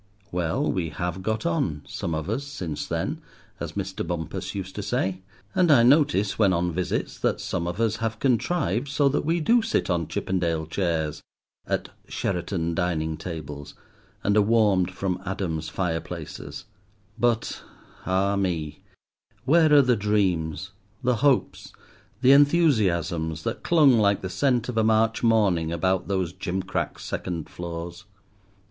Well, we have got on, some of us, since then, as Mr. Bumpus used to say; and I notice, when on visits, that some of us have contrived so that we do sit on Chippendale chairs, at Sheraton dining tables, and are warmed from Adam's fireplaces; but, ah me, where are the dreams, the hopes, the enthusiasms that clung like the scent of a March morning about those gim crack second floors?